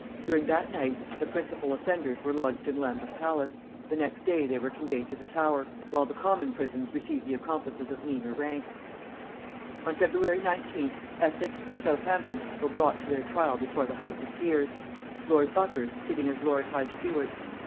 During that night the principal offenders were lodged in Lambeth palace, the next day they were conveyed to the Tower; while the common prisons received the accomplices of meaner rank. On February 19th Essex and Southampton were brought to their trial before the house of peers; lord Buckhurst sitting as lord high steward.